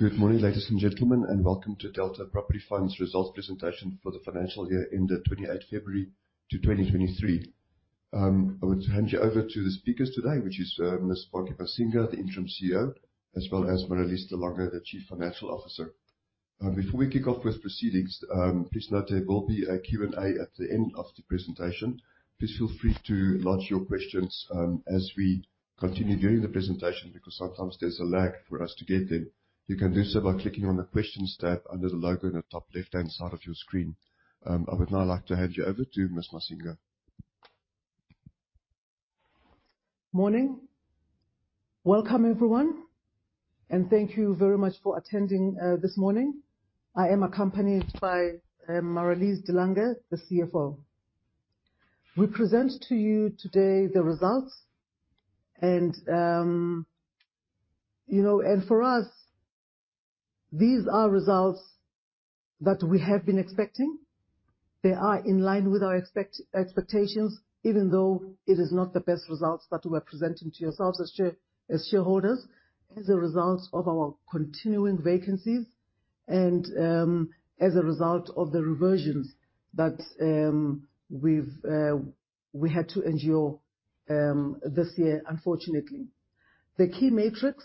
Good morning, ladies and gentlemen, welcome to Delta Property Fund's results presentation for the financial year ended 28th February 2023. I want to hand you over to the speakers today, which is Ms. Bongi Masinga, the interim CEO, as well as Marelise de Lange, the Chief Financial Officer. Before we kick off with proceedings, please note there will be a Q&A at the end of the presentation. Please feel free to lodge your questions as we continue doing the presentation, because sometimes there's a lag for us to get them. You can do so by clicking on the questions tab under the logo on the top left-hand side of your screen. I would now like to hand you over to Ms. Masinga. Morning. Welcome, everyone, and thank you very much for attending this morning. I am accompanied by Marelise de Lange, the CFO. We present to you today the results and, you know, for us, these are results that we have been expecting. They are in line with our expectations, even though it is not the best results that we're presenting to yourselves as shareholders, as a result of our continuing vacancies and as a result of the reversions that we had to endure this year, unfortunately. The key matrix,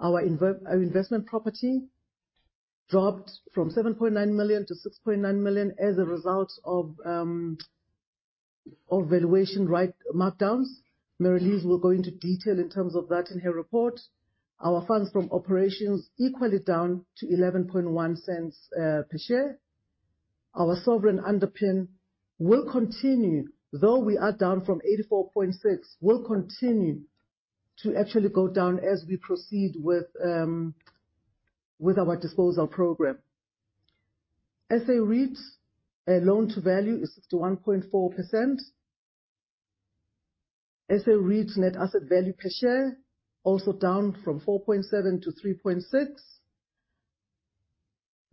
our investment property, dropped from 7.9 million to 6.9 million as a result of valuation, right, markdowns. Marelise will go into detail in terms of that in her report. Our Funds from Operations equally down to 0.111 per share. Our sovereign underpin will continue, though we are down from 84.6%, will continue to actually go down as we proceed with our disposal program. SA REITs loan-to-value is 61.4%. SA REITs net asset value per share, also down from 4.7 to 3.6.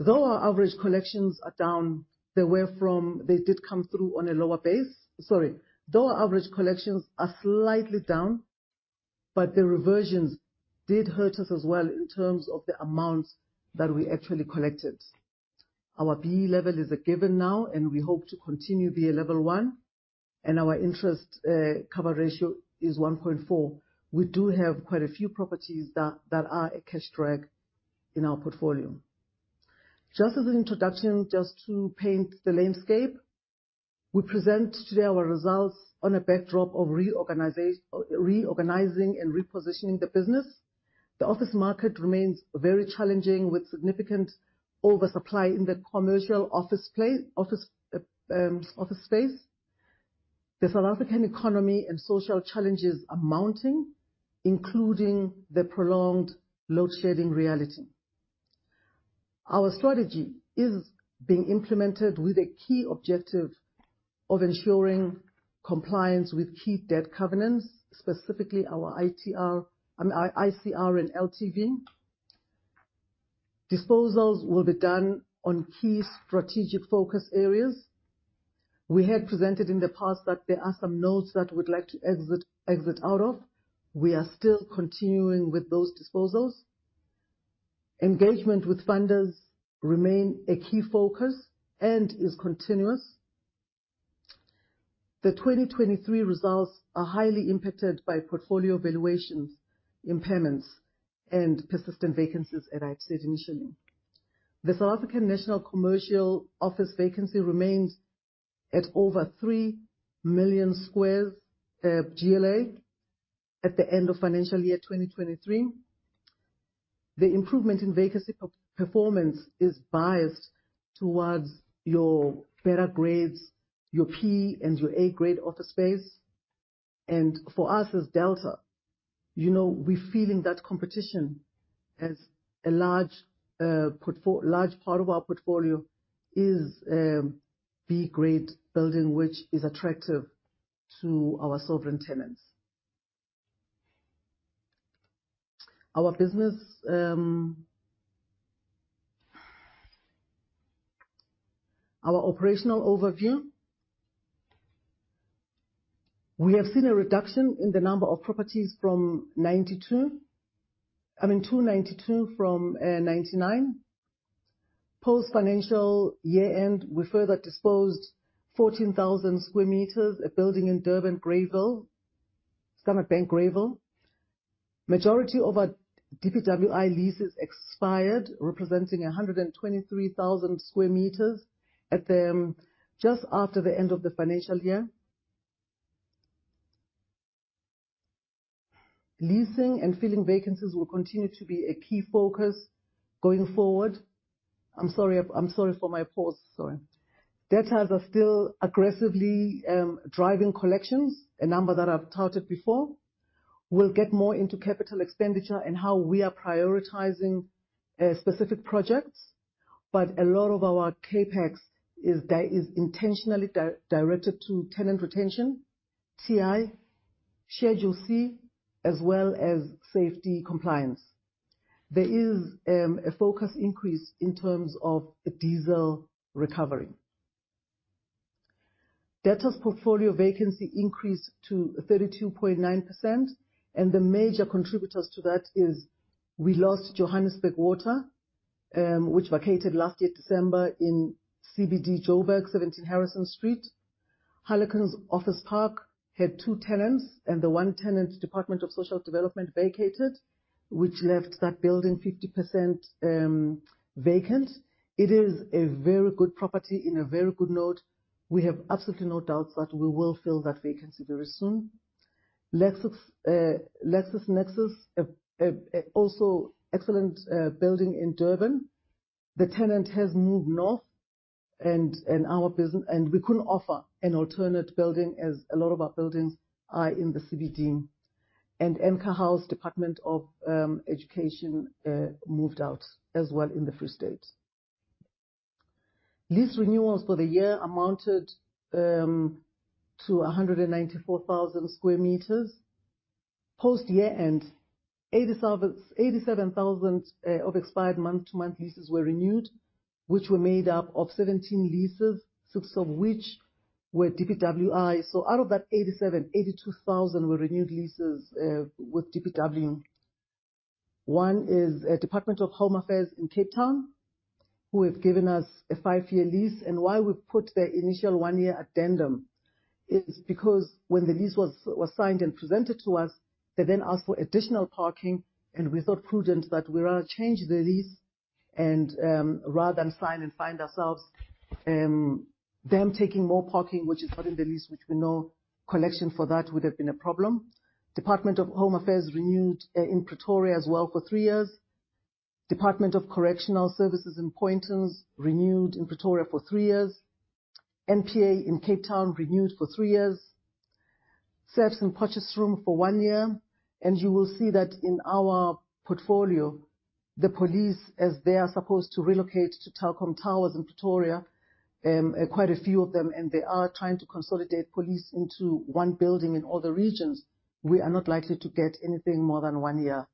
Our average collections are down, they did come through on a lower base. Sorry. Our average collections are slightly down, but the reversions did hurt us as well in terms of the amounts that we actually collected. Our B-BBEE Level is a given now, and we hope to continue B-BBEE Level 1, and our interest cover ratio is 1.4. We do have quite a few properties that are a cash drag in our portfolio. Just as an introduction, just to paint the landscape, we present today our results on a backdrop of reorganizing and repositioning the business. The office market remains very challenging, with significant oversupply in the commercial office space. The South African economy and social challenges are mounting, including the prolonged load-shedding reality. Our strategy is being implemented with a key objective of ensuring compliance with key debt covenants, specifically our ICR and LTV. Disposals will be done on key strategic focus areas. We had presented in the past that there are some nodes that we'd like to exit out of. We are still continuing with those disposals. Engagement with funders remain a key focus and is continuous. The 2023 results are highly impacted by portfolio valuations, impairments, and persistent vacancies, as I had said initially. The South African National Commercial office vacancy remains at over 3 million squares GLA at the end of financial year 2023. The improvement in vacancy performance is biased towards your better grades, your P-grade and your Grade A office space. For us, as Delta, you know, we're feeling that competition as a large part of our portfolio is B-grade building, which is attractive to our sovereign tenants. Our business. Our operational overview. We have seen a reduction in the number of properties from 92, I mean, 292, from 99. Post-financial year end, we further disposed 14,000 square meters, a building in Durban, Greyville, Standard Bank Greyville. Majority of our DPWI leases expired, representing 123,000 square meters just after the end of the financial year. Leasing and filling vacancies will continue to be a key focus going forward. I'm sorry for my pause. Sorry. Debtors are still aggressively driving collections, a number that I've touted before. We'll get more into capital expenditure and how we are prioritizing specific projects, but a lot of our CapEx is intentionally directed to tenant retention, TI, Schedule C, as well as safety compliance. There is a focus increase in terms of the diesel recovery. Delta's portfolio vacancy increased to 32.9%, and the major contributors to that is we lost Johannesburg Water, which vacated last year, December, in CBD, Joburg, 17 Harrison Street. Harlequins Office Park had two tenants, and the one tenant, Department of Social Development, vacated, which left that building 50% vacant. It is a very good property in a very good node. We have absolutely no doubts that we will fill that vacancy very soon. LexisNexis also excellent building in Durban. The tenant has moved north. We couldn't offer an alternate building, as a lot of our buildings are in the CBD. Enka House, Department of Education, moved out as well in the Free State. These renewals for the year amounted to 194,000 sq m. Post-year-end, 87,000 of expired month-to-month leases were renewed, which were made up of 17 leases, six of which were DPWI. Out of that 87,000, 82,000 were renewed leases with DPW. One is a Department of Home Affairs in Cape Town, who have given us a five-year lease. Why we put their initial 1-year addendum is because when the lease was signed and presented to us, they then asked for additional parking, and we thought prudent that we rather change the lease rather than sign and find ourselves them taking more parking, which is not in the lease, which we know collection for that would have been a problem. Department of Home Affairs renewed in Pretoria as well for three years. Department of Correctional Services in Poyntons renewed in Pretoria for three years. NPA in Cape Town renewed for three years. SARS in Potchefstroom for one year. You will see that in our portfolio, the police, as they are supposed to relocate to Telkom Towers in Pretoria, quite a few of them, and they are trying to consolidate police into 1 building in all the regions, we are not likely to get anything more than one year.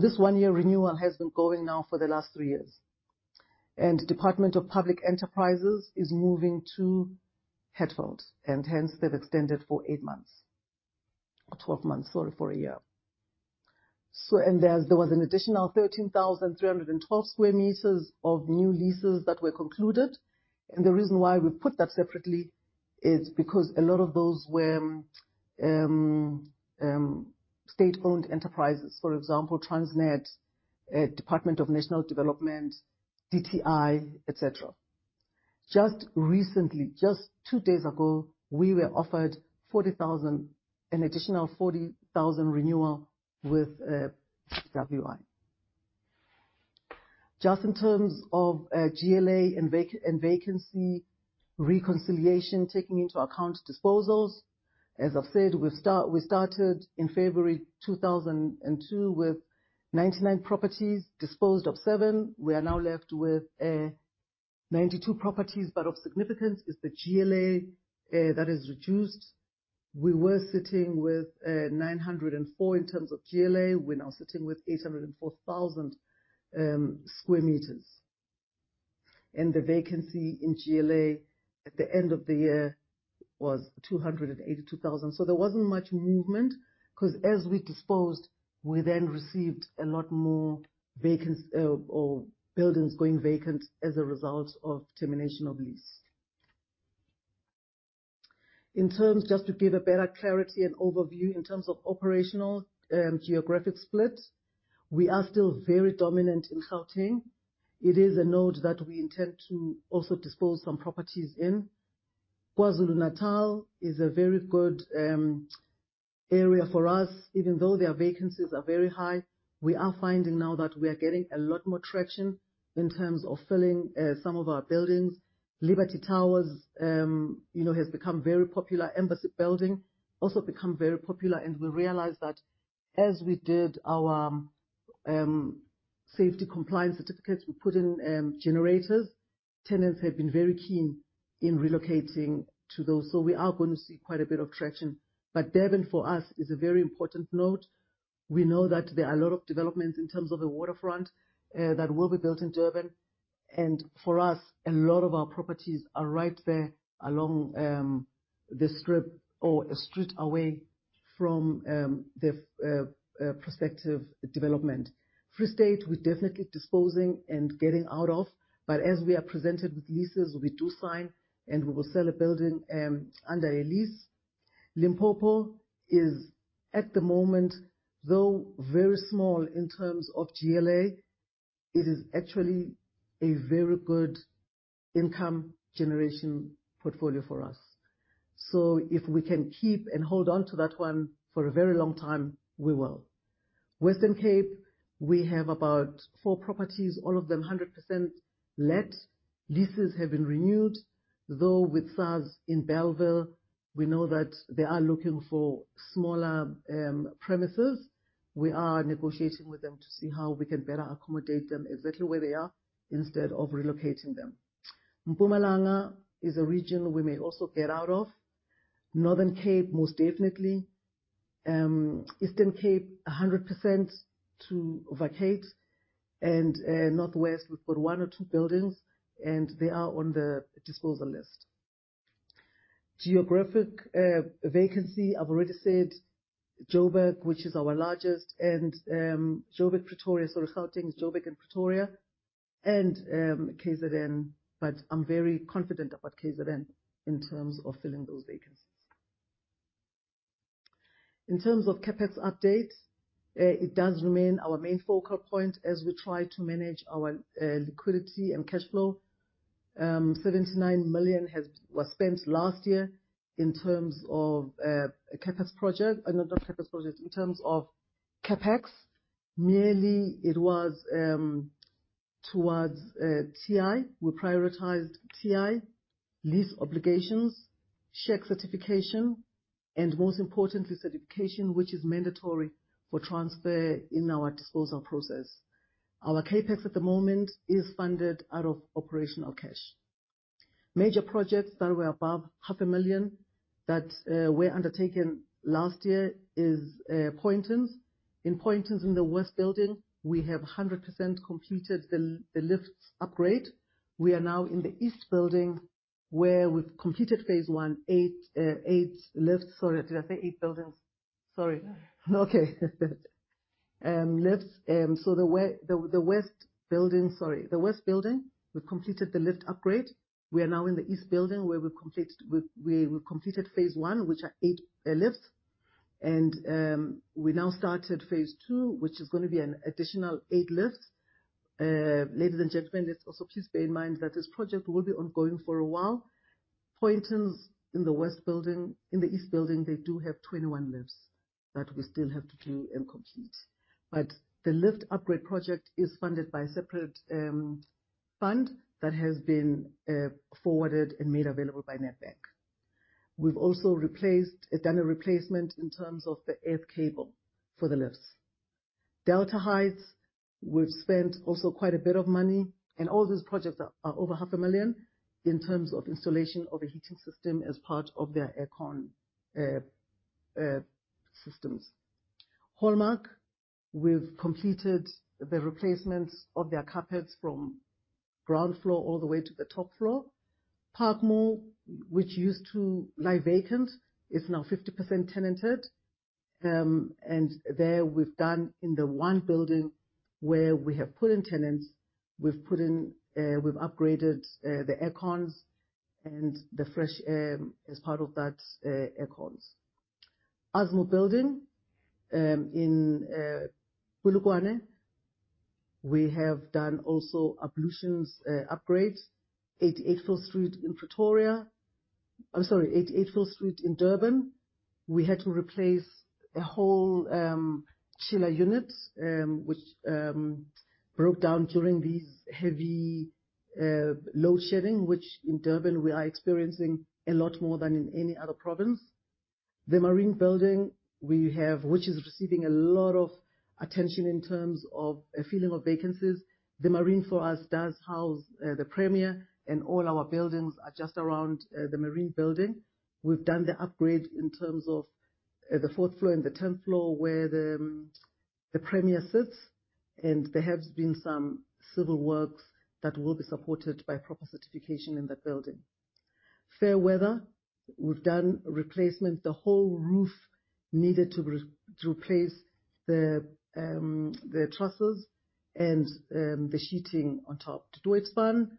This one year renewal has been going now for the last three years. Department of Public Enterprises is moving to Hatfield, and hence they've extended for eight months, or 12 months, sorry, for one year. There, there was an additional 13,312 sq m of new leases that were concluded. The reason why we put that separately is because a lot of those were state-owned enterprises, for example, Transnet, Department of National Development, DTI, et cetera. Just recently, just two days ago, we were offered 40,000, an additional 40,000 renewal with WI. Just in terms of GLA and vacancy reconciliation, taking into account disposals, as I've said, we started in February 2002, with 99 properties, disposed of seven. We are now left with 92 properties, but of significance is the GLA that is reduced. We were sitting with 904 in terms of GLA. We're now sitting with 804,000 square meters. The vacancy in GLA at the end of the year was 282,000. There wasn't much movement, 'cause as we disposed, we then received a lot more vacancy or buildings going vacant as a result of termination of lease. In terms, just to give a better clarity and overview, in terms of operational, geographic split, we are still very dominant in Gauteng. It is a node that we intend to also dispose some properties in. KwaZulu-Natal is a very good area for us, even though their vacancies are very high. We are finding now that we are getting a lot more traction in terms of filling some of our buildings. Liberty Towers, you know, has become very popular. Embassy Building also become very popular. We realized that as we did our safety compliance certificates, we put in generators. Tenants have been very keen in relocating to those, so we are going to see quite a bit of traction. Durban, for us, is a very important node. We know that there are a lot of developments in terms of the waterfront that will be built in Durban. For us, a lot of our properties are right there along the strip or a street away from the prospective development. Free State, we're definitely disposing and getting out of, but as we are presented with leases, we do sign, and we will sell a building under a lease. Limpopo is, at the moment, though, very small in terms of GLA, it is actually a very good income generation portfolio for us. If we can keep and hold on to that one for a very long time, we will. Western Cape, we have about 4 properties, all of them 100% let. Leases have been renewed, though with SARS in Bellville, we know that they are looking for smaller premises. We are negotiating with them to see how we can better accommodate them exactly where they are, instead of relocating them. Mpumalanga is a region we may also get out of. Northern Cape, most definitely. Eastern Cape, 100% to vacate, Northwest, we've got one or two buildings, and they are on the disposal list. Geographic vacancy, I've already said Jo'burg, which is our largest, Jo'burg, Pretoria, sorry, Gauteng, Jo'burg, and Pretoria, KZN. I'm very confident about KZN in terms of filling those vacancies. In terms of CapEx update, it does remain our main focal point as we try to manage our liquidity and cash flow. 79 million was spent last year in terms of CapEx project. Not CapEx project, in terms of CapEx. Merely, it was towards TI. We prioritized TI, lease obligations, SHEQ certification, and most importantly, certification, which is mandatory for transfer in our disposal process. Our CapEx at the moment is funded out of operational cash. Major projects that were above half a million, that were undertaken last year, is Poynton's. In Poynton's, in the west building, we have 100% completed the lifts upgrade. We are now in the east building, where we've completed phase one, eight lifts. Sorry, did I say eight buildings? Sorry. Okay, lifts. The west building, sorry, the west building, we've completed the lift upgrade. We are now in the east building, where we've completed phase one, which are 8 lifts. We now started phase two, which is gonna be an additional eight lifts. Ladies and gentlemen, let's also please bear in mind that this project will be ongoing for a while. Poynton's in the west building in the east building, they do have 21 lifts that we still have to do and complete. The lift upgrade project is funded by a separate fund that has been forwarded and made available by Nedbank. We've also replaced, done a replacement in terms of the earth cable for the lifts. Delta Heights, we've spent also quite a bit of money, and all these projects are over half a million, in terms of installation of a heating system as part of their air con systems. Hallmark, we've completed the replacements of their carpets from ground floor all the way to the top floor. Parkmore, which used to lie vacant, is now 50% tenanted. There we've done, in the one building where we have put in tenants, we've put in, we've upgraded, the air cons and the fresh air as part of that, air cons. Asmal building, in Polokwane, we have done also ablutions upgrades. 88 Field Street in Durban, we had to replace a whole chiller unit, which broke down during these heavy load shedding, which in Durban we are experiencing a lot more than in any other province. The Marine Building, we have, which is receiving a lot of attention in terms of a filling of vacancies. The Marine, for us, does house, the premier, and all our buildings are just around, the Marine Building. We've done the upgrade in terms of the fourth floor and the tenth floor, where the premier sits, and there has been some civil works that will be supported by proper certification in that building. Fairweather, we've done replacements. The whole roof needed to replace the trusses and the sheeting on top. Deulsturm,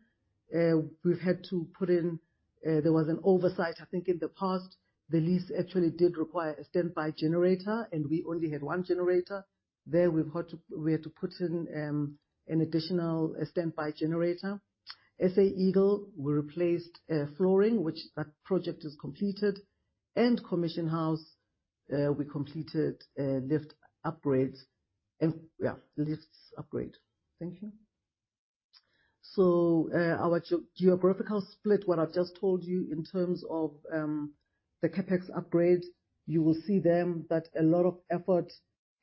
we've had to put in, there was an oversight, I think, in the past. The lease actually did require a standby generator, and we only had one generator. There we had to put in an additional standby generator. SA Eagle, we replaced flooring, which that project is completed. Commission House, we completed a lift upgrade. Thank you. Our geographical split, what I've just told you in terms of the CapEx upgrade, you will see them, that a lot of effort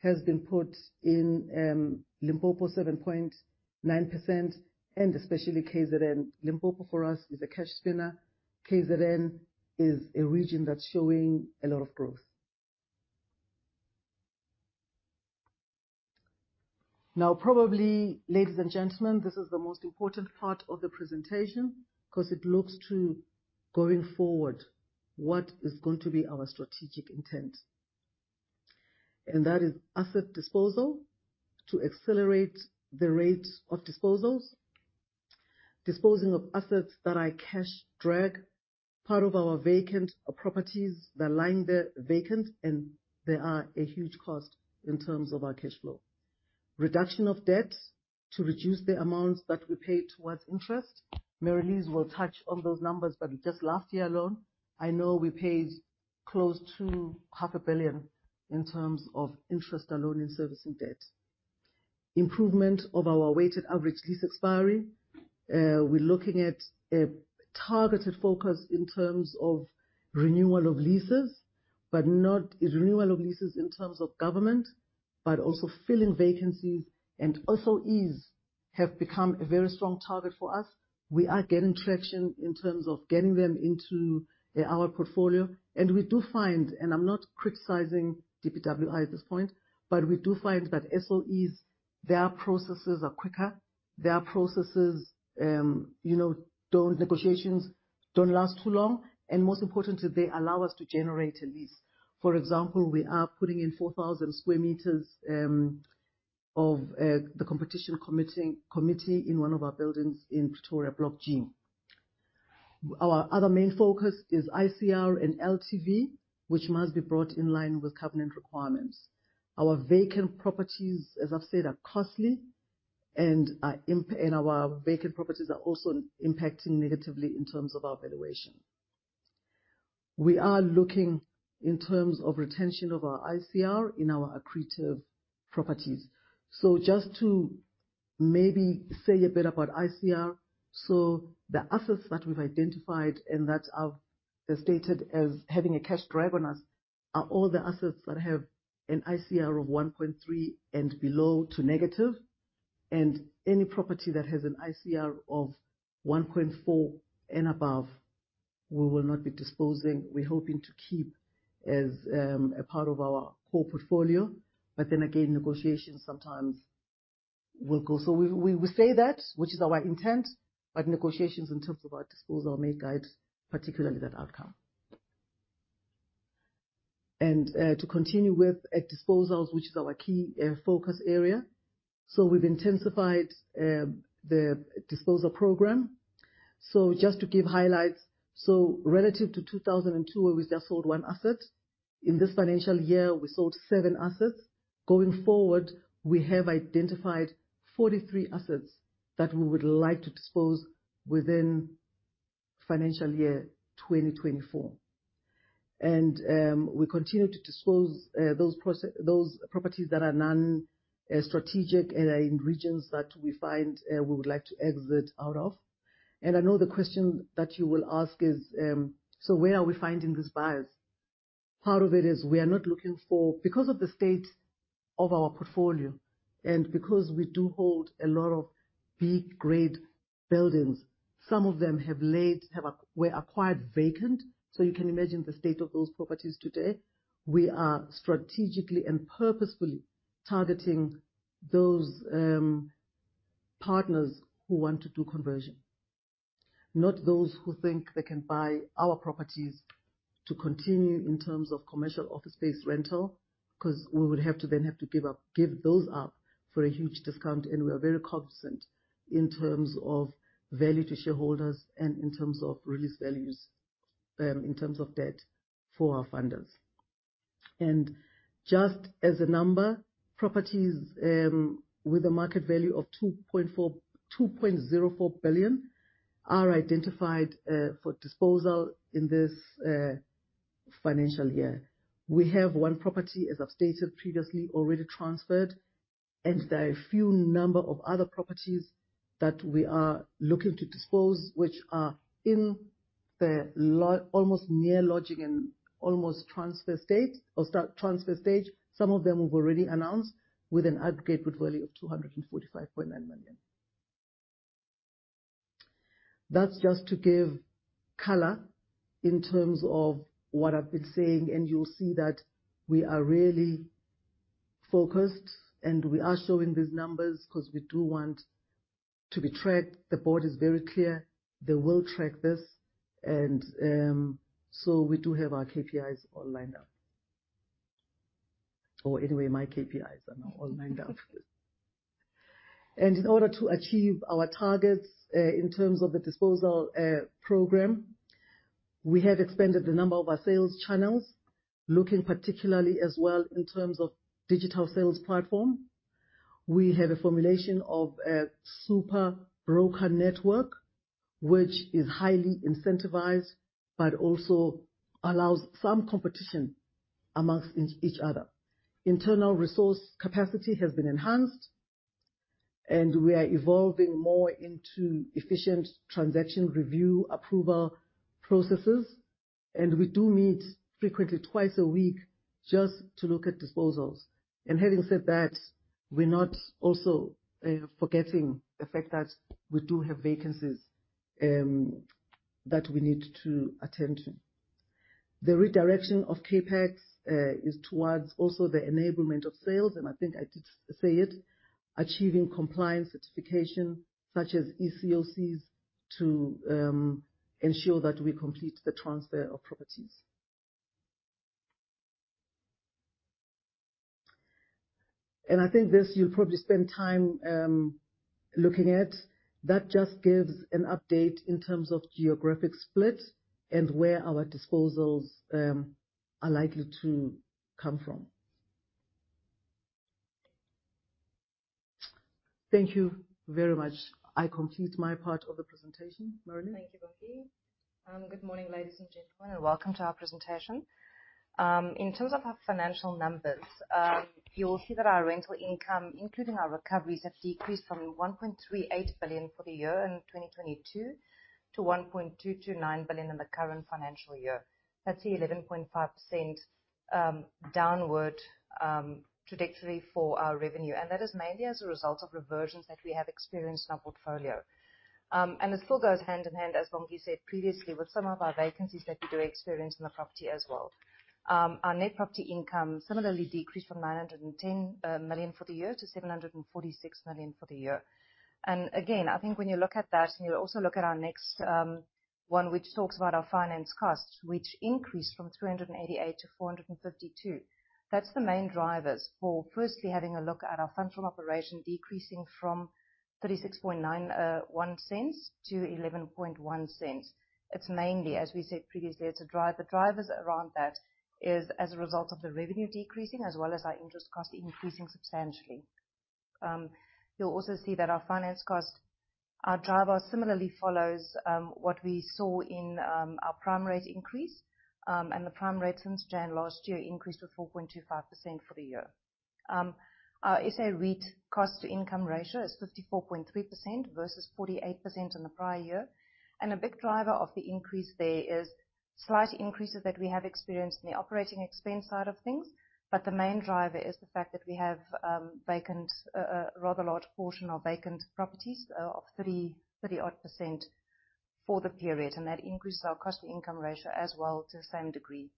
has been put in Limpopo, 7.9%, and especially KZN. Limpopo, for us, is a cash spinner. KZN is a region that's showing a lot of growth. Probably, ladies and gentlemen, this is the most important part of the presentation, because it looks to going forward, what is going to be our strategic intent. That is asset disposal, to accelerate the rate of disposals. Disposing of assets that are cash drag, part of our vacant properties that are lying there vacant, and they are a huge cost in terms of our cash flow. Reduction of debt, to reduce the amounts that we pay towards interest. Marelise will touch on those numbers, but just last year alone, I know we paid close to ZAR half a billion in terms of interest alone in servicing debt. Improvement of our weighted average lease expiry. We're looking at a targeted focus in terms of renewal of leases, but a renewal of leases in terms of government, but also filling vacancies, and also have become a very strong target for us. We are getting traction in terms of getting them into our portfolio, and we do find, and I'm not criticizing DPWI at this point, but we do find that SOEs, their processes are quicker, their processes, you know, negotiations don't last too long, and most importantly, they allow us to generate a lease. For example, we are putting in 4,000 square meters of the Competition Commission in one of our buildings in Pretoria, Block G. Our other main focus is ICR and LTV, which must be brought in line with covenant requirements. Our vacant properties, as I've said, are costly, and our vacant properties are also impacting negatively in terms of our valuation. We are looking in terms of retention of our ICR in our accretive properties. Just to maybe say a bit about ICR. The assets that we've identified and that I've stated as having a cash drag on us, are all the assets that have an ICR of 1.3 and below to negative, and any property that has an ICR of 1.4 and above, we will not be disposing. We're hoping to keep as a part of our core portfolio, but then again, negotiations sometimes will go... We say that, which is our intent, but negotiations in terms of our disposal may guide, particularly that outcome. To continue with disposals, which is our key focus area. We've intensified the disposal program. Just to give highlights, relative to 2002, where we just sold 1 asset, in this financial year, we sold 7 assets. Going forward, we have identified 43 assets that we would like to dispose within financial year 2024. We continue to dispose those properties that are non strategic and are in regions that we find we would like to exit out of. I know the question that you will ask is, "Where are we finding these buyers?" Part of it is we are not looking for. Because of the state of our portfolio, and because we do hold a lot of B-grade buildings, some of them have laid, were acquired vacant, so you can imagine the state of those properties today. We are strategically and purposefully targeting those partners who want to do conversion, not those who think they can buy our properties to continue in terms of commercial office space rental, 'cause we would have to then give those up for a huge discount. We are very cognizant in terms of value to shareholders and in terms of release values, in terms of debt for our funders. Just as a number, properties, with a market value of 2.4, 2.04 billion, are identified for disposal in this financial year. We have one property, as I've stated previously, already transferred, and there are a few number of other properties that we are looking to dispose, which are in the almost near lodging and almost transfer state, or transfer stage. Some of them we've already announced with an aggregate book value of 245.9 million. That's just to give color in terms of what I've been saying, and you'll see that we are really focused, and we are showing these numbers 'cause we do want to be tracked. The board is very clear, they will track this, and so we do have our KPIs all lined up. Anyway, my KPIs are now all lined up. In order to achieve our targets, in terms of the disposal program, we have expanded the number of our sales channels, looking particularly as well in terms of digital sales platform. We have a formulation of a super broker network, which is highly incentivized but also allows some competition amongst each other. Internal resource capacity has been enhanced, and we are evolving more into efficient transaction review approval processes, and we do meet frequently, twice a week, just to look at disposals. Having said that, we're not also forgetting the fact that we do have vacancies that we need to attend to. The redirection of CapEx is towards also the enablement of sales. I think I did say it, achieving compliance certification such as ECOCs, to ensure that we complete the transfer of properties. I think this you'll probably spend time looking at. That just gives an update in terms of geographic split and where our disposals are likely to come from. Thank you very much. I complete my part of the presentation. Marelise? Thank you, Bongi. Good morning, ladies and gentlemen, welcome to our presentation. In terms of our financial numbers, you'll see that our rental income, including our recoveries, have decreased from 1.38 billion for the year in 2022, to 1.229 billion in the current financial year. That's 11.5% downward trajectory for our revenue, that is mainly as a result of reversions that we have experienced in our portfolio. It still goes hand in hand, as Bongi said previously, with some of our vacancies that we do experience in the property as well. Our net property income similarly decreased from 910 million for the year to 746 million for the year. Again, I think when you look at that, and you also look at our next one, which talks about our finance costs, which increased from 388 to 452. That's the main drivers for firstly, having a look at our functional operation, decreasing from 0.3691 to 0.111. It's mainly, as we said previously, it's a drive. The drivers around that is as a result of the revenue decreasing, as well as our interest cost increasing substantially. You'll also see that our finance costs, our driver similarly follows what we saw in our prime rate increase. The prime rate since January last year increased to 4.25% for the year. Our SA REIT cost to income ratio is 54.3% versus 48% in the prior year. A big driver of the increase there is slight increases that we have experienced in the operating expense side of things. The main driver is the fact that we have vacant, rather large portion of vacant properties, of 30 odd percent for the period, and that increases our cost to income ratio as well, to the same degree.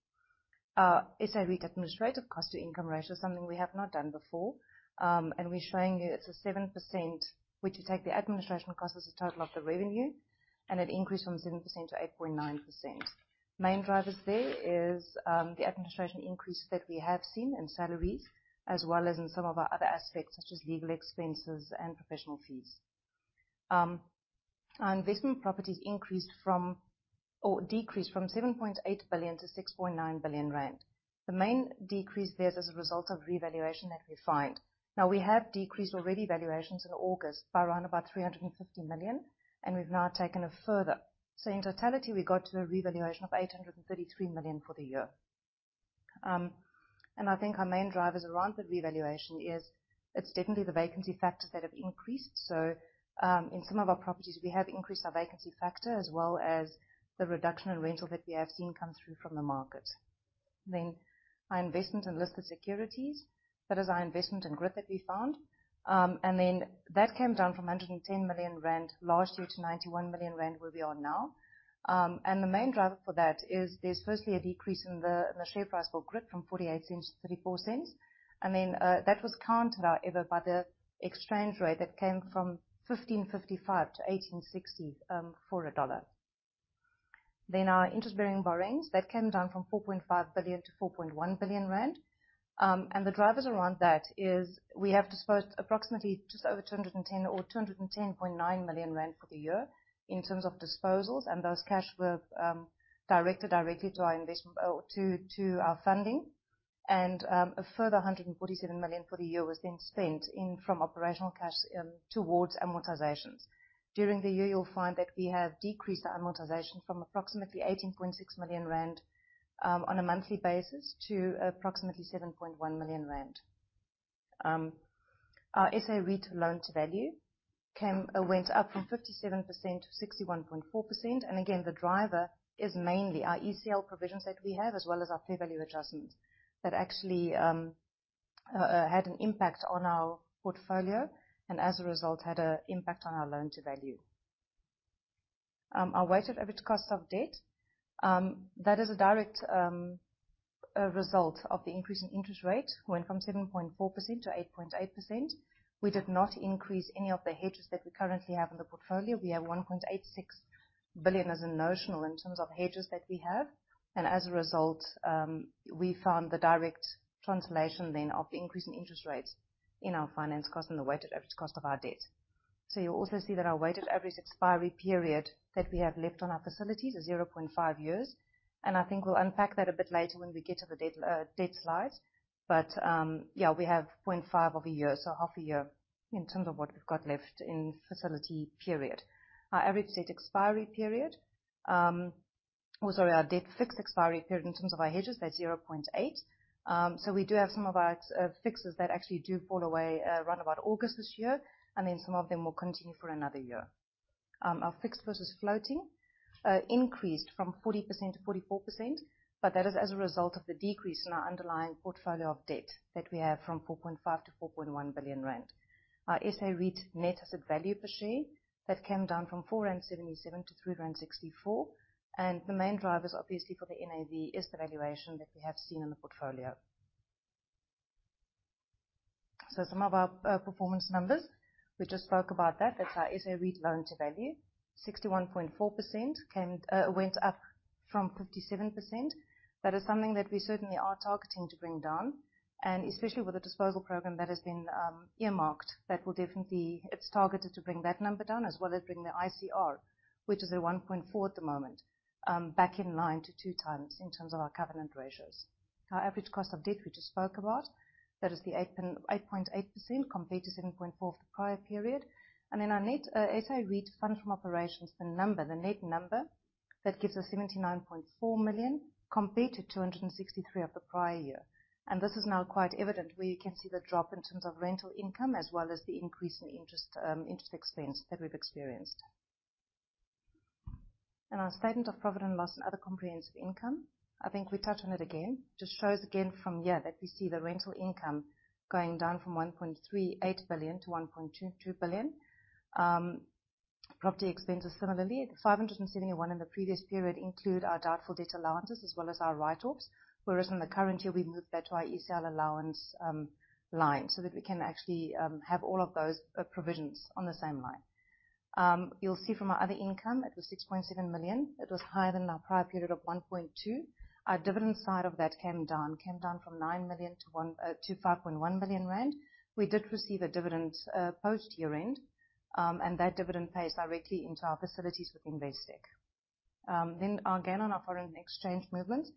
SA REIT administrative cost to income ratio is something we have not done before. We're showing you it's a 7%, which you take the administration cost as a total of the revenue, and it increased from 7% to 8.9%. Main drivers there is the administration increases that we have seen in salaries, as well as in some of our other aspects, such as legal expenses and professional fees. Our investment properties decreased from 7.8 billion to 6.9 billion rand. The main decrease there is as a result of revaluation that we find. We have decreased already valuations in August by around about 350 million, and we've now taken it further. In totality, we got to a revaluation of 833 million for the year. And I think our main drivers around the revaluation is definitely the vacancy factors that have increased. So in some of our properties, we have increased our vacancy factor, as well as the reduction in rental that we have seen come through from the market. Our investment in listed securities. That is our investment in Grit that we found. That came down from 110 million rand last year to 91 million rand, where we are now. The main driver for that is there's firstly a decrease in the share price for Grit from 0.48 to 0.34. That was countered out ever by the exchange rate that came from 15.55 to 18.60 for a dollar. Our interest-bearing borrowings, that came down from 4.5 billion to 4.1 billion rand. The drivers around that is we have disposed approximately just over 210 million rand or ZAR 200.9 million for the year in terms of disposals, and those cash were directed directly to our investment, or to our funding. A further 147 million for the year was then spent in, from operational cash, towards amortizations. During the year, you'll find that we have decreased our amortization from approximately 18.6 million rand on a monthly basis, to approximately 7.1 million rand. Our SA REIT loan to value went up from 57% to 61.4%. Again, the driver is mainly our ECL provisions that we have, as well as our fair value adjustments, that actually had an impact on our portfolio, and as a result, had a impact on our loan to value. Our weighted average cost of debt, that is a direct result of the increase in interest rates, went from 7.4% to 8.8%. We did not increase any of the hedges that we currently have in the portfolio. We have 1.86 billion as a notional in terms of hedges that we have. As a result, we found the direct translation then of the increase in interest rates in our finance cost and the weighted average cost of our debt. You'll also see that our weighted average expiry period that we have left on our facilities is 0.5 years, and I think we'll unpack that a bit later when we get to the debt slide. Yeah, we have 0.5 of a year, so half a year in terms of what we've got left in facility period. Our average debt expiry period. Oh, sorry, our debt fixed expiry period in terms of our hedges, that's 0.8. We do have some of our fixes that actually do fall away around about August this year, and then some of them will continue for another year. Our fixed versus floating increased from 40% to 44%, That is as a result of the decrease in our underlying portfolio of debt that we have from 4.5 billion to 4.1 billion rand. Our SA REIT net asset value per share, that came down from 4.77 rand to 3.64 rand. The main drivers, obviously, for the NAV is the valuation that we have seen in the portfolio. Some of our performance numbers. We just spoke about that. That's our SA REIT loan to value. 61.4% went up from 57%. That is something that we certainly are targeting to bring down, and especially with the disposal program that has been earmarked, that will definitely it's targeted to bring that number down, as well as bring the ICR, which is at 1.4 at the moment, back in line to 2 times in terms of our covenant ratios. Our average cost of debt, we just spoke about. That is the 8.8%, compared to 7.4% for the prior period. Our net SA REIT Funds from Operations, the number, the net number. That gives us 79.4 million, compared to 263 million of the prior year. This is now quite evident, where you can see the drop in terms of rental income, as well as the increase in interest expense that we've experienced. In our statement of profit and loss and other comprehensive income, I think we touched on it again. Shows again from here, that we see the rental income going down from 1.38 billion to 1.22 billion. Property expenses, similarly, 571 million in the previous period, include our doubtful debt allowances as well as our write-offs. In the current year, we moved that to our ECL allowance line, so that we can actually have all of those provisions on the same line. You'll see from our other income, it was 6.7 million. It was higher than our prior period of 1.2 million. Our dividend side of that came down from 9 million to 5.1 million rand. We did receive a dividend, post year-end. That dividend pays directly into our facilities with Investec. Again, on our foreign exchange movement,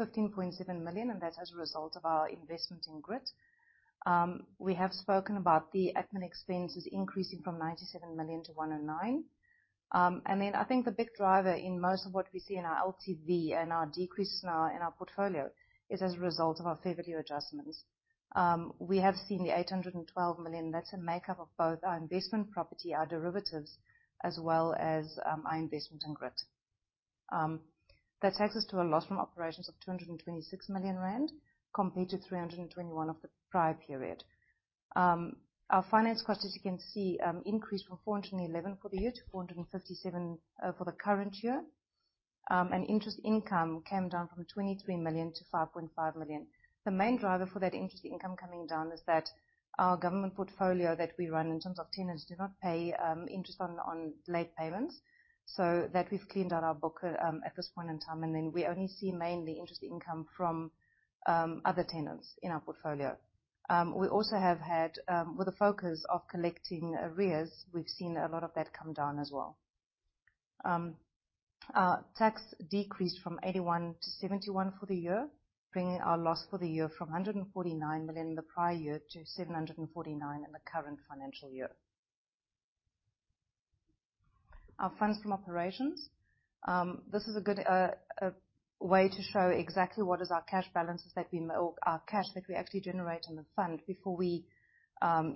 15.7 million, that's as a result of our investment in Grit. We have spoken about the admin expenses increasing from 97 million to 109 million. I think the big driver in most of what we see in our LTV and our decreases in our portfolio, is as a result of our fair value adjustments. We have seen the 812 million. That's a makeup of both our investment property, our derivatives, as well as our investment in Grit. That takes us to a loss from operations of 226 million rand, compared to 321 million of the prior period. Our finance costs, as you can see, increased from 411 for the year to 457 for the current year. And interest income came down from 23 million to 5.5 million. The main driver for that interest income coming down is that our government portfolio that we run, in terms of tenants, do not pay interest on late payments. We've cleaned out our book at this point in time, and then we only see mainly interest income from other tenants in our portfolio. We also have had With the focus of collecting arrears, we've seen a lot of that come down as well. Our tax decreased from 81 million to 71 million for the year, bringing our loss for the year from 149 million in the prior year to 749 million in the current financial year. Our Funds from Operations. This is a good way to show exactly what is our cash balances that we, or our cash that we actually generate and then fund before we,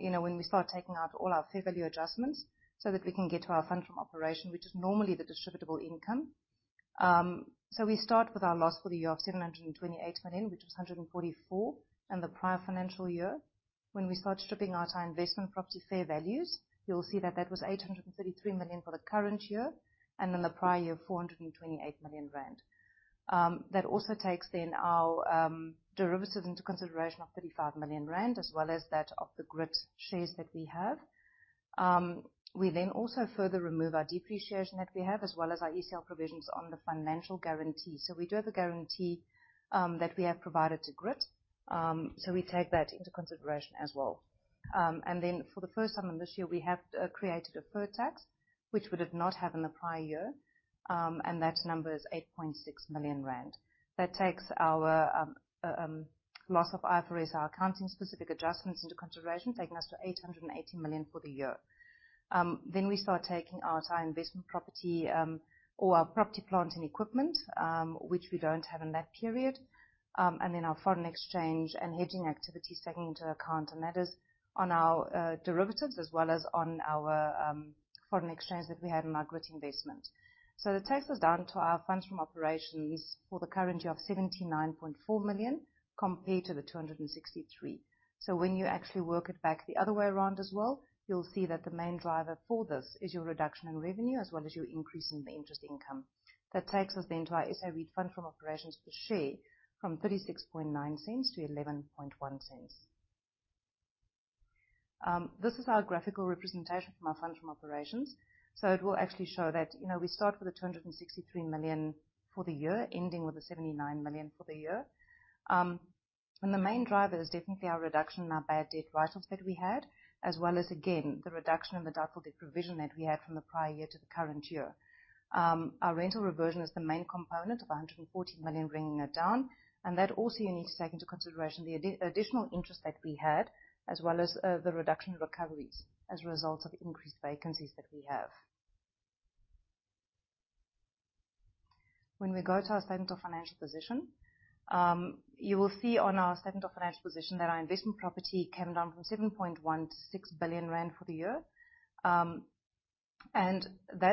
you know, when we start taking out all our fair value adjustments, so that we can get to our Fund from Operations, which is normally the distributable income. We start with our loss for the year of 728 million, which was 144 million in the prior financial year. When we start stripping out our investment property fair values, you'll see that that was 833 million for the current year, and in the prior year, 428 million rand. That also takes then our derivatives into consideration of 35 million rand, as well as that of the Grit shares that we have. We then also further remove our depreciation that we have, as well as our ECL provisions on the financial guarantee. We do have a guarantee that we have provided to Grit, so we take that into consideration as well. Then for the first time in this year, we have created a pro-tax, which we did not have in the prior year, and that number is 8.6 million rand. That takes our loss of IFRS, our accounting specific adjustments into consideration, taking us to 880 million for the year. We start taking out our investment property, or our property, plant, and equipment, which we don't have in that period. Our foreign exchange and hedging activities taken into account, and that is on our derivatives as well as on our foreign exchange that we had in our Grit investment. That takes us down to our Funds from Operations for the current year of 79.4 million, compared to the 263. When you actually work it back the other way around as well, you'll see that the main driver for this is your reduction in revenue, as well as your increase in the interest income. This takes us to our SA REIT Funds from Operations per share, from 0.369 to 0.111. This is our graphical representation from our Funds from Operations. It will actually show that, you know, we start with 263 million for the year, ending with 79 million for the year. The main driver is definitely our reduction in our bad debt write-offs that we had, as well as, again, the reduction in the doubtful debt provision that we had from the prior year to the current year. Our rental reversion is the main component of 140 million, bringing it down. That also, you need to take into consideration the additional interest that we had, as well as the reduction in recoveries as a result of increased vacancies that we have. When we go to our statement of financial position, you will see on our statement of financial position that our investment property came down from 7.1 billion-6 billion rand for the year. That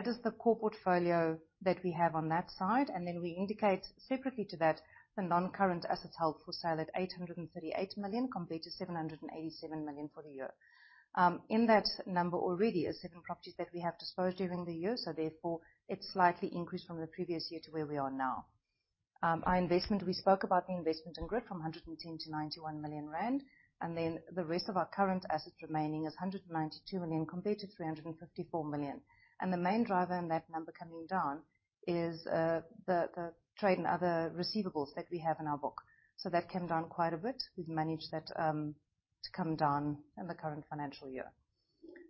is the core portfolio that we have on that side, then we indicate separately to that, the noncurrent assets held for sale at 838 million, compared to 787 million for the year. In that number already is seven properties that we have disposed during the year, therefore it slightly increased from the previous year to where we are now. Our investment, we spoke about the investment in Grit, from 110 million-91 million rand, then the rest of our current assets remaining is 192 million, compared to 354 million. The main driver in that number coming down is the trade and other receivables that we have in our book. That came down quite a bit. We've managed that to come down in the current financial year.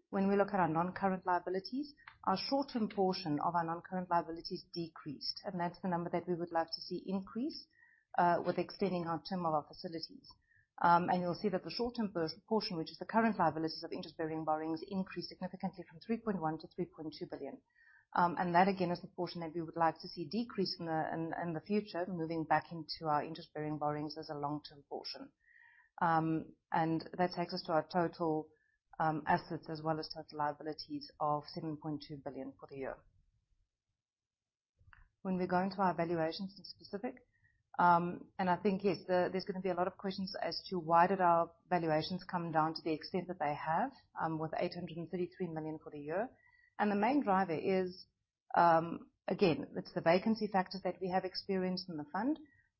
When we look at our non-current liabilities, our short-term portion of our non-current liabilities decreased, and that's the number that we would like to see increase with extending our term of our facilities. You'll see that the short-term portion, which is the current liabilities of interest-bearing borrowings, increased significantly from 3.1 to 3.2 billion. That, again, is the portion that we would like to see decrease in the future, moving back into our interest-bearing borrowings as a long-term portion. That takes us to our total assets as well as total liabilities of 7.2 billion for the year. When we go into our valuations in specific, and I think, yes, there's gonna be a lot of questions as to why did our valuations come down to the extent that they have, with 833 million for the year. The main driver is, again, it's the vacancy factors that we have experienced in the fund.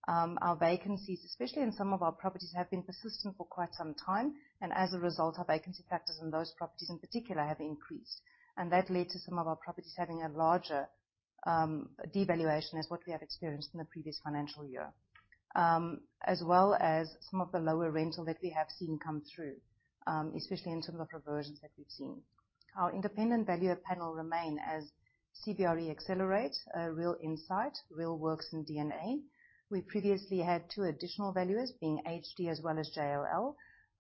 Our vacancies, especially in some of our properties, have been persistent for quite some time, and as a result, our vacancy factors in those properties in particular have increased. That led to some of our properties having a larger devaluation as what we have experienced in the previous financial year. As well as some of the lower rental that we have seen come through, especially in some of the reversions that we've seen. Our independent valuer panel remain as CBRE Excellerate, Real Insight, Realworx, and DNA. We previously had 2 additional valuers, being HD as well as JLL.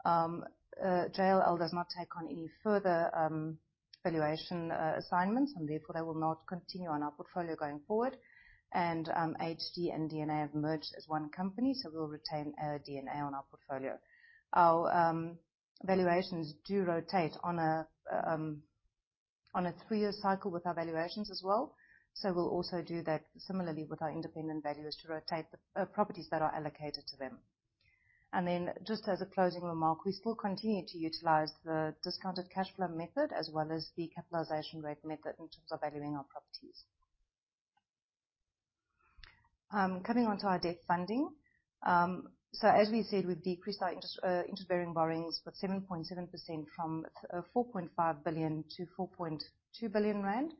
JLL does not take on any further valuation assignments, and therefore they will not continue on our portfolio going forward. HD and DNA have merged as one company, so we'll retain DNA on our portfolio. Our valuations do rotate on a three-year cycle with our valuations as well, so we'll also do that similarly with our independent valuers to rotate the properties that are allocated to them. Just as a closing remark, we still continue to utilize the discounted cash flow method as well as the capitalization rate method in terms of valuing our properties. Coming on to our debt funding. As we said, we've decreased our interest-bearing borrowings by 7.7% from 4.5 billion to 4.2 billion rand.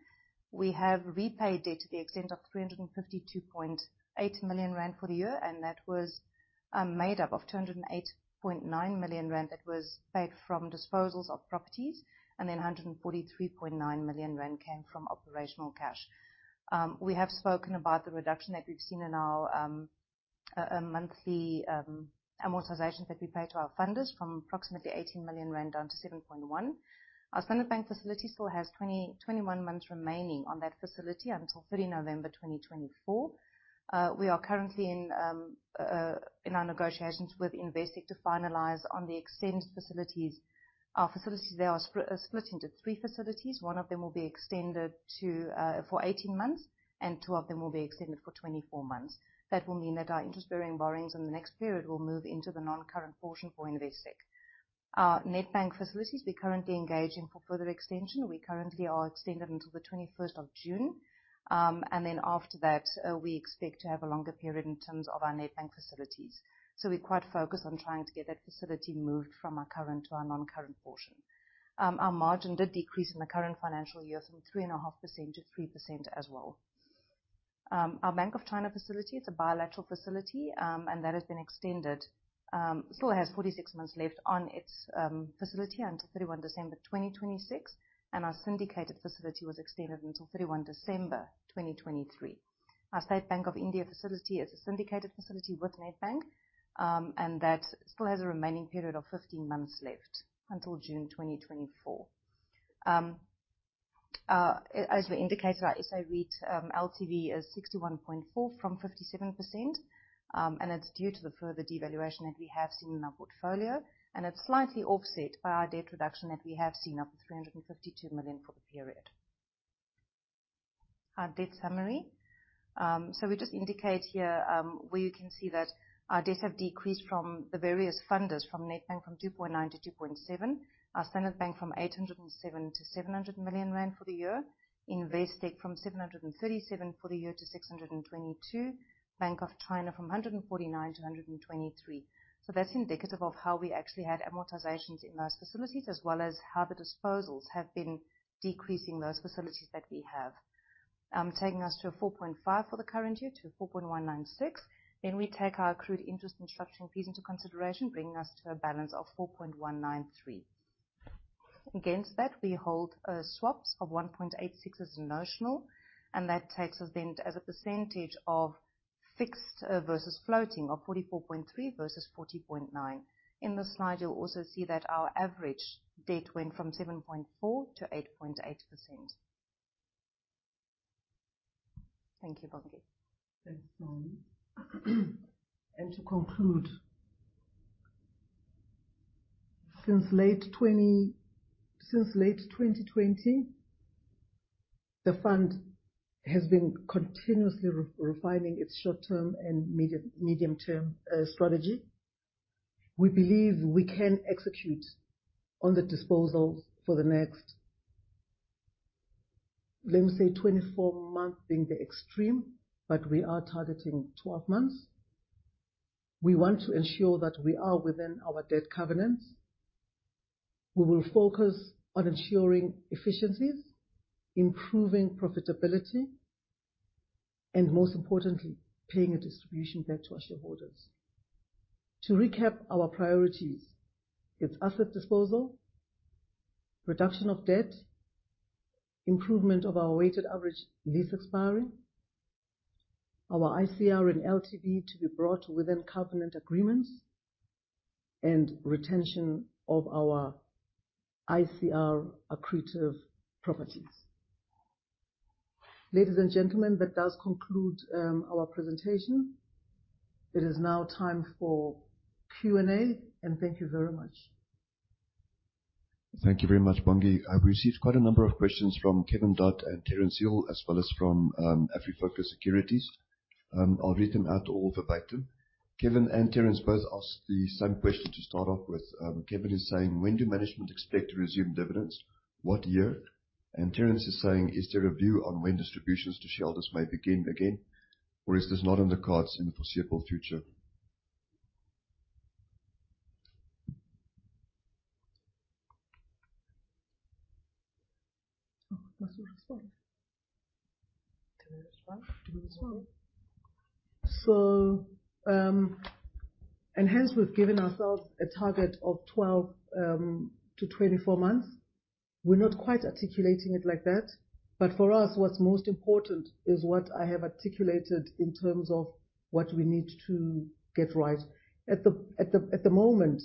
We have repaid debt to the extent of 352.8 million rand for the year, and that was made up of 208.9 million rand that was paid from disposals of properties, 143.9 million rand came from operational cash. We have spoken about the reduction that we've seen in our monthly amortizations that we pay to our funders from approximately 18 million rand down to 7.1 million. Our Standard Bank facility still has 21 months remaining on that facility until 30 November 2024. We are currently in our negotiations with Investec to finalize on the extended facilities. Our facilities, they are split into three facilities. One of them will be extended for 18 months, and two of them will be extended for 24 months. That will mean that our interest-bearing borrowings in the next period will move into the non-current portion for Investec. Our Nedbank facilities, we're currently engaging for further extension. We currently are extended until the 21st of June. After that, we expect to have a longer period in terms of our Nedbank facilities. We're quite focused on trying to get that facility moved from our current to our non-current portion. Our margin did decrease in the current financial year from 3.5% to 3% as well. Our Bank of China facility, it's a bilateral facility, and that has been extended. Still has 46 months left on its facility until December 31, 2026, and our syndicated facility was extended until December 31, 2023. Our State Bank of India facility is a syndicated facility with Nedbank, and that still has a remaining period of 15 months left, until June 2024. As we indicated, our SA REIT LTV is 61.4% from 57%. It's due to the further devaluation that we have seen in our portfolio, and it's slightly offset by our debt reduction that we have seen of 352 million for the period. Our debt summary. We just indicate here where you can see that our debts have decreased from the various funders, from Nedbank from 2.9 billion to 2.7 billion. Our Standard Bank from 807 million to 700 million rand for the year. Investec from 737 million for the year to 622 million. Bank of China from 149 million to 123 million. That's indicative of how we actually had amortizations in those facilities, as well as how the disposals have been decreasing those facilities that we have. taking us to a 4.5 billion for the current year to 4.196 billion. We take our accrued interest and structuring fees into consideration, bringing us to a balance of 4.193 billion. Against that, we hold swaps of 1.86 billion as notional, and that takes us then as a percentage of fixed versus floating of 44.3% versus 40.9%. In this slide, you'll also see that our average debt went from 7.4% to 8.8%. Thank you, Bongi. To conclude, since late 2020, the fund has been continuously refining its short-term and medium-term strategy. We believe we can execute on the disposals for the next, let me say, 24 months being the extreme, but we are targeting 12 months. We want to ensure that we are within our debt covenants. We will focus on ensuring efficiencies, improving profitability, and most importantly, paying a distribution back to our shareholders. To recap our priorities: it's asset disposal, reduction of debt, improvement of our weighted average lease expiry, our ICR and LTV to be brought within covenant agreements, and retention of our ICR accretive properties. Ladies and gentlemen, that does conclude our presentation. It is now time for Q&A. Thank you very much. Thank you very much, Bongi. I've received quite a number of questions from Kevin Dodd and Terence Hill, as well as from Afrifocus Securities. I'll read them out all verbatim. Kevin and Terence both asked the same question to start off with. Kevin is saying: When do management expect to resume dividends? What year? Terence is saying: Is there a view on when distributions to shareholders may begin again, or is this not on the cards in the foreseeable future? Oh, must you respond? Do you want to respond? And hence we've given ourselves a target of 12-24 months. We're not quite articulating it like that, but for us, what's most important is what I have articulated in terms of what we need to get right. At the moment,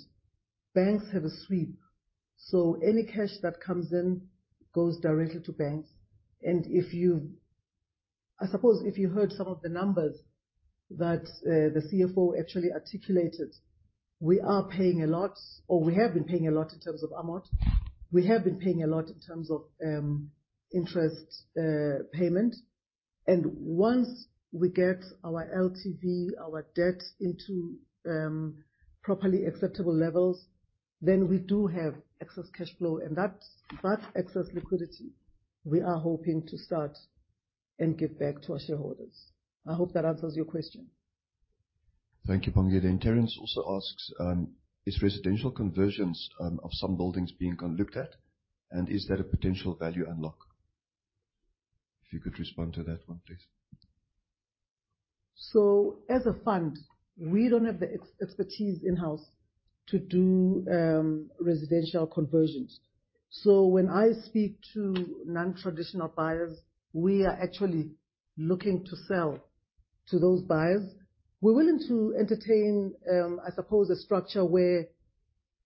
banks have a sweep, so any cash that comes in goes directly to banks, and I suppose, if you heard some of the numbers that the CFO actually articulated, we are paying a lot, or we have been paying a lot in terms of amount. We have been paying a lot in terms of interest payment. Once we get our LTV, our debt into properly acceptable levels, then we do have excess cashflow, and that excess liquidity we are hoping to start and give back to our shareholders. I hope that answers your question. Thank you, Bongi. Terence also asks: Is residential conversions, of some buildings being looked at, and is there a potential value unlock? If you could respond to that one, please. As a fund, we don't have the expertise in-house to do residential conversions. When I speak to non-traditional buyers, we are actually looking to sell to those buyers. We're willing to entertain, I suppose, a structure where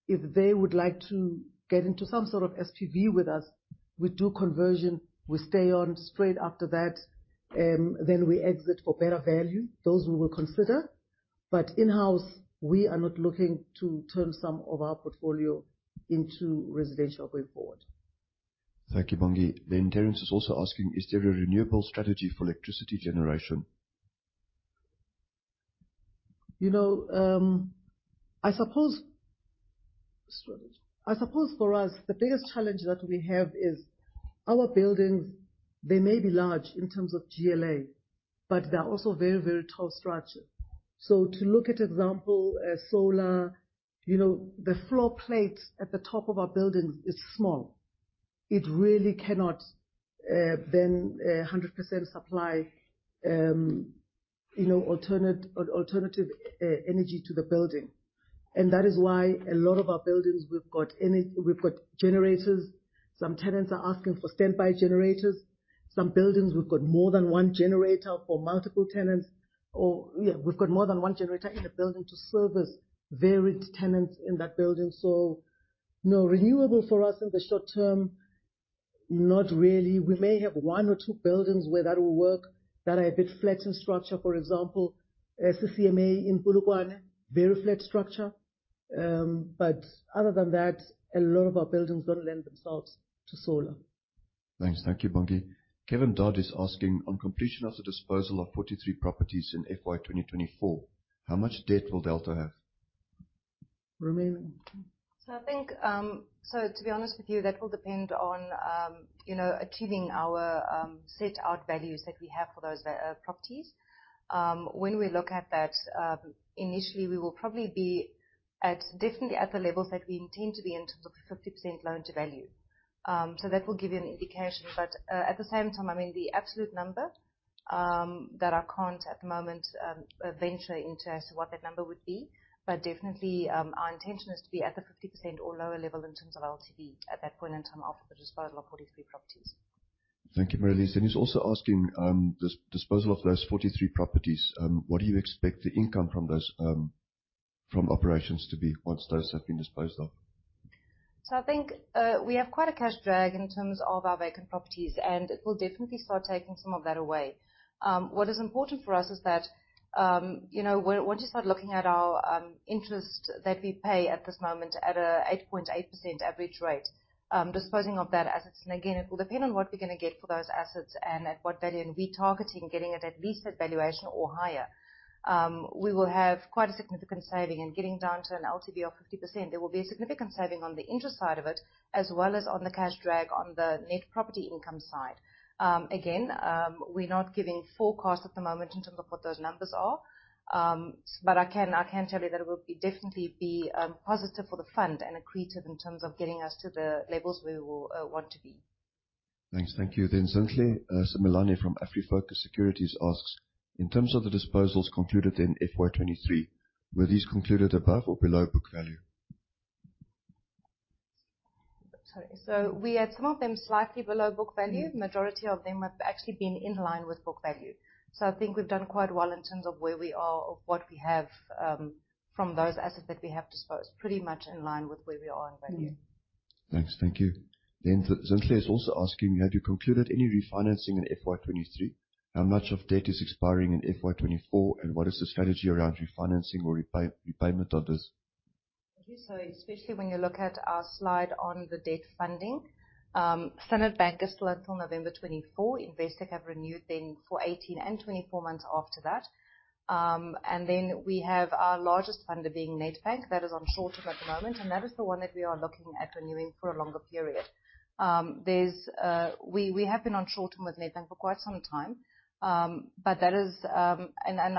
if they would like to get into some sort of SPV with us, we do conversion, we stay on straight after that, then we exit for better value. Those we will consider, but in-house, we are not looking to turn some of our portfolio into residential going forward. Thank you, Bongi. Terence is also asking: Is there a renewable strategy for electricity generation? You know, I suppose for us, the biggest challenge that we have is our buildings, they may be large in terms of GLA, but they're also very, very tall structures. To look at example, solar, you know, the floor plate at the top of our buildings is small. It really cannot then 100% supply, you know, alternative energy to the building. That is why a lot of our buildings, we've got generators. Some tenants are asking for standby generators. Some buildings, we've got more than one generator for multiple tenants, or, yeah, we've got more than one generator in a building to service varied tenants in that building. No, renewable for us in the short term, not really. We may have one or two buildings where that will work, that are a bit flat in structure. For example, CCMA in Polokwane, very flat structure. Other than that, a lot of our buildings don't lend themselves to solar. Thanks. Thank you, Bongi. Kevin Dodd is asking: On completion of the disposal of 43 properties in FY2024, how much debt will Delta have? Remaining? I think, to be honest with you, that will depend on, you know, achieving our set out values that we have for those properties. When we look at that, initially, we will probably be at, definitely at the levels that we intend to be in terms of 50% loan to value. That will give you an indication. At the same time, I mean, the absolute number, that I can't at the moment, venture into as to what that number would be, but definitely, our intention is to be at the 50% or lower level in terms of LTV at that point in time of the disposal of 43 properties. Thank you, Marelise. He's also asking: The disposal of those 43 properties, what do you expect the income from those, from operations to be once those have been disposed of? I think we have quite a cash drag in terms of our vacant properties, and it will definitely start taking some of that away. What is important for us is that, you know, when you start looking at our interest that we pay at this moment at a 8.8% average rate, disposing of that assets, and again, it will depend on what we're gonna get for those assets and at what value, and we're targeting getting it at least at valuation or higher. We will have quite a significant saving and getting down to an LTV of 50%, there will be a significant saving on the interest side of it, as well as on the cash drag on the net property income side. Again, we're not giving forecasts at the moment in terms of what those numbers are. I can tell you that it will definitely be positive for the fund and accretive in terms of getting us to the levels we will want to be. Thanks. Thank you. Zinhle Mhlongo from Afrifocus Securities asks: In terms of the disposals concluded in FY 2023, were these concluded above or below book value? Sorry. We had some of them slightly below book value. Majority of them have actually been in line with book value. I think we've done quite well in terms of where we are or what we have, from those assets that we have disposed, pretty much in line with where we are in value. Thanks. Thank you. Zinhle is also asking: Have you concluded any refinancing in FY 23? How much of debt is expiring in FY 24, and what is the strategy around refinancing or repayment of this? Thank you. Especially when you look at our slide on the debt funding, Standard Bank is still until November 2024. Investec have renewed then for 18 and 24 months after that. We have our largest funder being Nedbank, that is on short term at the moment, and that is the one that we are looking at renewing for a longer period. We have been on short term with Nedbank for quite some time. I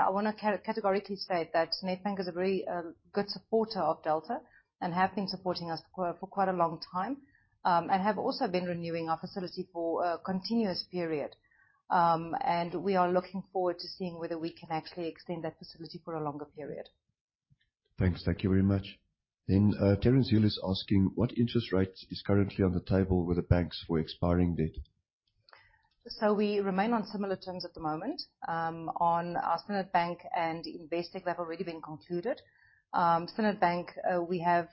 want to categorically state that Nedbank is a very good supporter of Delta and have been supporting us for quite a long time, and have also been renewing our facility for a continuous period. We are looking forward to seeing whether we can actually extend that facility for a longer period. Thanks. Thank you very much. Terence Hill is asking: What interest rate is currently on the table with the banks for expiring debt? We remain on similar terms at the moment. On our Standard Bank and Investec, they have already been concluded. Standard Bank, we have,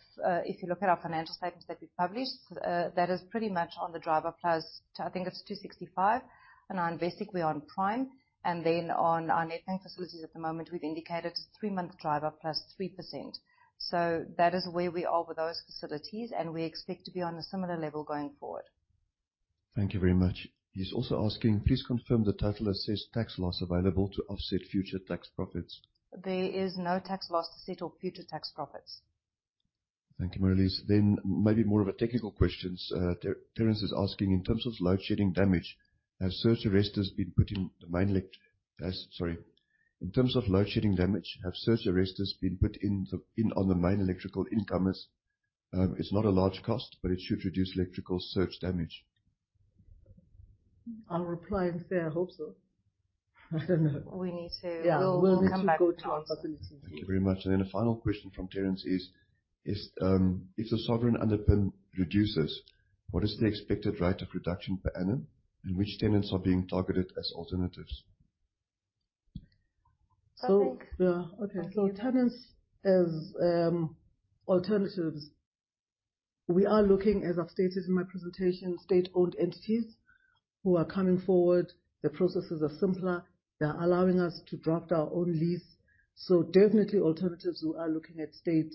if you look at our financial statements that we've published, that is pretty much on the JIBAR plus, I think it's 265. On Investec, we're on Prime, and then on our Nedbank facilities at the moment, we've indicated three months JIBAR plus 3%. That is where we are with those facilities, and we expect to be on a similar level going forward. Thank you very much. He's also asking: Please confirm the total assessed tax loss available to offset future tax profits. There is no tax loss to settle future tax profits. Thank you, Marelise. maybe more of a technical questions. Terence is asking: In terms of load shedding damage, have surge arresters been put in on the main electrical incomers? It's not a large cost, but it should reduce electrical surge damage. I'll reply and say, I hope so. I don't know. We need to- Yeah. We'll come back to answer. Thank you very much. A final question from Terence is: if the sovereign underpin reduces, what is the expected rate of reduction per annum, and which tenants are being targeted as alternatives? I think- Yeah. Okay. Okay. Tenants as alternatives, we are looking, as I've stated in my presentation, state-owned entities who are coming forward. The processes are simpler. They're allowing us to draft our own lease. Definitely alternatives, we are looking at state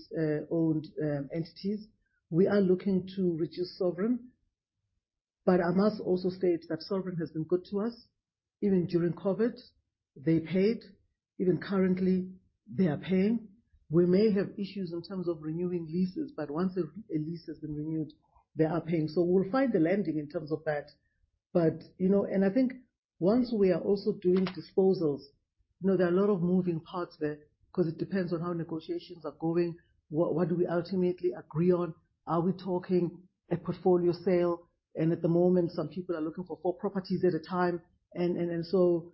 owned entities. We are looking to reduce sovereign. I must also state that sovereign has been good to us. Even during COVID, they paid. Even currently, they are paying. We may have issues in terms of renewing leases. Once a lease has been renewed, they are paying. We'll find the landing in terms of that. You know, I think once we are also doing disposals, you know, there are a lot of moving parts there, because it depends on how negotiations are going, what do we ultimately agree on? Are we talking a portfolio sale? At the moment, some people are looking for 4 properties at a time, and then, so...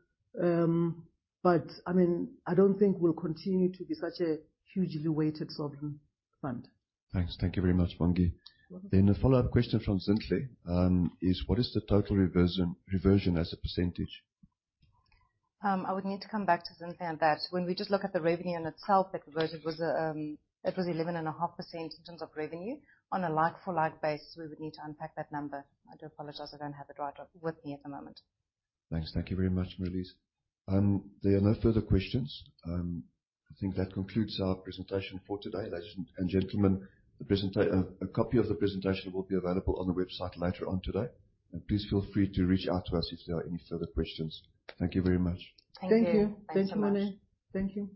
I mean, I don't think we'll continue to be such a hugely weighted sovereign fund. Thanks. Thank you very much, Bongi. You're welcome. A follow-up question from Zinhle, is: What is the total reversion as a %? I would need to come back to Zinhle on that. When we just look at the revenue in itself, the reversion was, it was 11.5% in terms of revenue. On a like-for-like basis, we would need to unpack that number. I do apologize, I don't have it right off with me at the moment. Thanks. Thank you very much, Marelise. There are no further questions. I think that concludes a copy of the presentation for today, ladies and gentlemen. A copy of the presentation will be available on the website later on today, and please feel free to reach out to us if there are any further questions. Thank you very much. Thank you. Thank you. Thanks so much. Thank you, Marelise. Thank you.